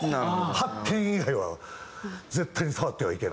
白鍵以外は絶対に触ってはいけない。